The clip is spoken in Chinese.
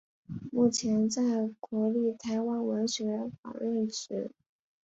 目前在国立台湾文学馆任职。